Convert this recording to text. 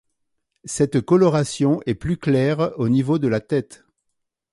Cette coloration est plus claire au niveau de la tête.